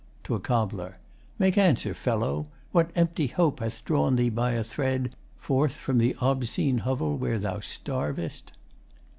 [To a COBBLER.] Make answer, fellow! What empty hope hath drawn thee by a thread Forth from the OBscene hovel where thou starvest?